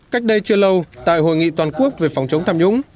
cách đây chưa lâu tại hội nghị toàn quốc về phòng chống tham nhũng